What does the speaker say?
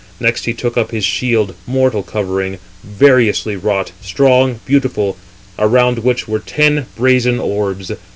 Next he took up his shield, mortal covering 363, variously wrought, strong, beautiful, around which were ten brazen orbs.